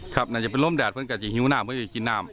ครับน่าจะเป็นลมแดดเพราะว่าจะหิวน้ำเพราะว่าจะกินน้ำ